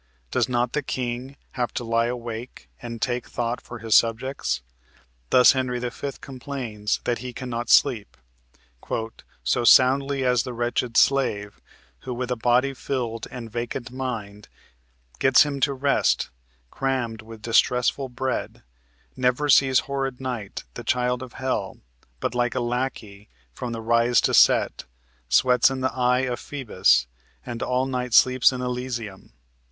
Does not the king have to lie awake and take thought for his subjects? Thus Henry V. complains that he can not sleep "so soundly as the wretched slave, Who with a body filled and vacant mind, Gets him to rest, crammed with distressful bread, Never sees horrid night, the child of Hell, But like a lackey, from the rise to set, Sweats in the eye of Phoebus, and all night Sleeps in Elysium....